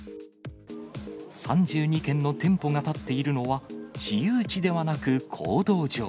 ３２軒の店舗が建っているのは、私有地ではなく公道上。